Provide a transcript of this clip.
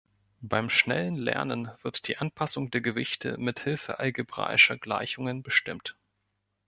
Beim schnellen Lernen wird die Anpassung der Gewichte mithilfe algebraischer Gleichungen bestimmt.